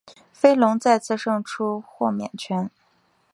飞龙再次胜出豁免赛。